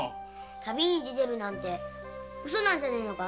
旅に出たなんてウソじゃねえのか？